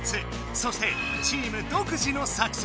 そしてチーム独自の作戦。